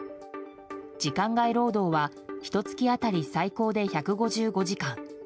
時間外労働はひと月当たり最高で１５５時間。